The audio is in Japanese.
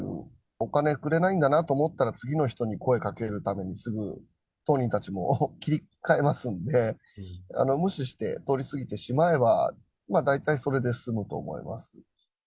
お金くれないんだなと思ったら、次の人に声かけるためにすぐ当人たちも切り替えますんで、無視して通り過ぎてしまえば、大体それで済むと思います。